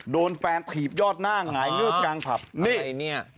โดนแฟนถีบยอดหน้าหงายเมืองฐานนี่อะไรนี่